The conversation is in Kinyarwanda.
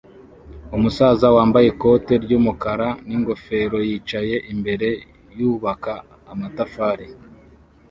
Umusaza wambaye ikote ryumukara ningofero yicaye imbere yubaka amatafari